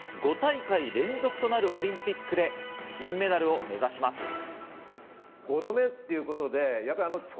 ５大会連続となるオリンピックで金メダルを目指します。